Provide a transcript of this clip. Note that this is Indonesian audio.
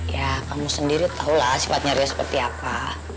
ya kamu sendiri tahulah sifatnya rio seperti apa